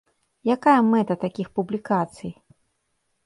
Якая мэта такіх публікацый?